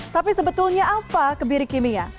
tapi sebetulnya apa kebiri kimia